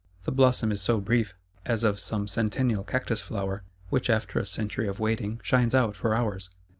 The blossom is so brief; as of some centennial Cactus flower, which after a century of waiting shines out for hours!